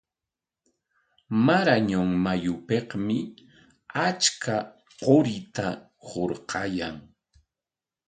Marañon mayupikmi achka qurita hurquyan.